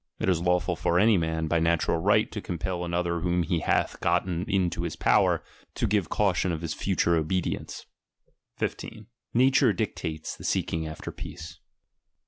It is lawful for any man, by natural right, to compel another whom he hath gotten in his power, to give caution of his future obedience. 15. Nature dictates the seeking after peace.